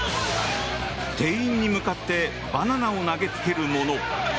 店員に向かってバナナを投げつける者。